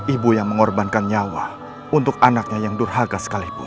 ibu yang mengorbankan nyawa untuk anaknya yang durhaga sekalipun